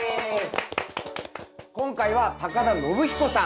今回は田延彦さん。